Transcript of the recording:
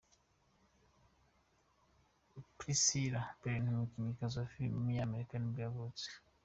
Priscilla Barnes, umukinnyikazi wa filime w’umunyamerika nibwo yavutse.